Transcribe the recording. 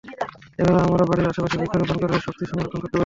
এভাবে আমরা বাড়ির আশপাশে বৃক্ষ রোপণ করে শক্তি সংরক্ষণ করতে পারি।